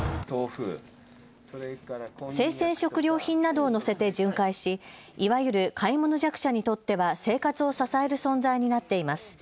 生鮮食料品などを載せて巡回しいわゆる買い物弱者にとっては生活を支える存在になっています。